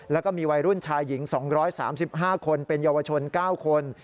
แล้วก็มีวัยรุ่นชายหญิง๒๓๕คนเป็นเยาวชน๙คน